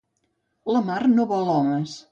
La mar no vol homes.